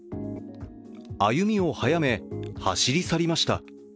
歩みを早め走り去りました。